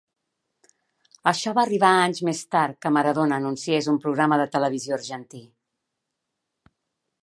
Això va arribar anys més tard que Maradona anunciés un programa de televisió argentí.